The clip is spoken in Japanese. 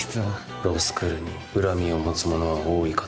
ロースクールに恨みを持つ者は多いかと。